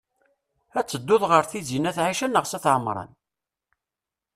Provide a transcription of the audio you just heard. Ad tedduḍ ɣer Tizi n at Ɛica neɣ s at Ɛemṛan?